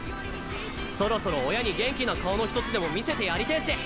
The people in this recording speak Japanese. そろそろ親に元気な顔の一つでも見せてやりてぇし。